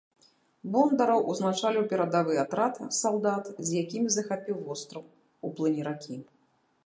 Бондараў ўзначаліў перадавы атрад салдат, з якімі захапіў востраў у плыні ракі.